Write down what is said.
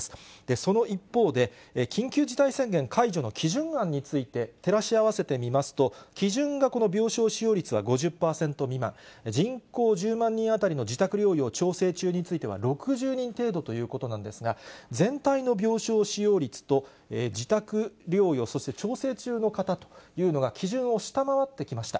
その一方で、緊急事態宣言解除の基準案について、照らし合わせてみますと、基準がこの病床使用率が５０％未満、人口１０万人当たりの自宅療養・調整中については６０人程度ということなんですが、全体の病床使用率と自宅療養、そして調整中という方が基準を下回ってきました。